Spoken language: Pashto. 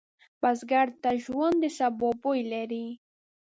بزګر ته ژوند د سبو بوی لري